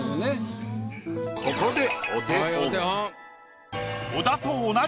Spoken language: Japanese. ここでお手本。